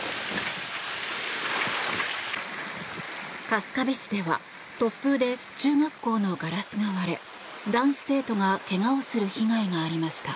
春日部市では突風で中学校のガラスが割れ男子生徒が怪我をする被害がありました。